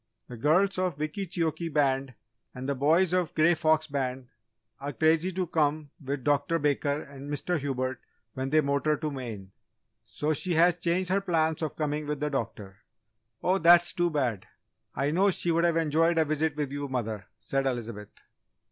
The girls of Wickeecheokee Band and the boys of the Grey Fox Band are crazy to come with Dr. Baker and Mr. Hubert when they motor to Maine. So she has changed her plans of coming with the doctor." "Oh, that's too bad! I know she would have enjoyed a visit with you, mother," said Elizabeth.